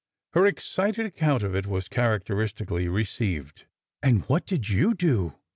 Her excited account of it was characteristically re ceived. "And what did you do?